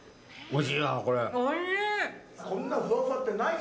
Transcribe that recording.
おいしい。